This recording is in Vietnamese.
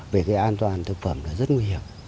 về cái an toàn thực phẩm là rất nguy hiểm